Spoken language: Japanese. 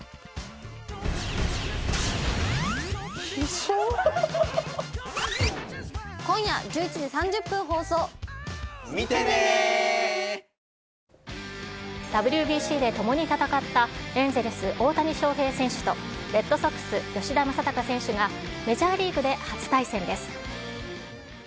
消費の拡大は今後も続くと見られ、ＷＢＣでともに戦ったエンゼルス、大谷翔平選手と、レッドソックス、吉田正尚選手がメジャーリーグで初対戦です。